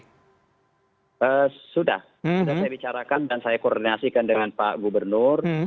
sudah sudah saya bicarakan dan saya koordinasikan dengan pak gubernur